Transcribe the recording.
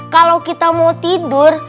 kalo kita mau tidur